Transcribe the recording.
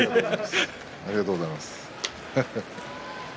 ありがとうございます。